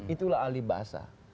itulah ahli bahasa